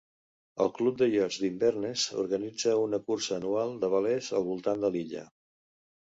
El Club de Iots d'Inverness organitza una cursa anual de velers al voltant de l'illa.